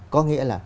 có nghĩa là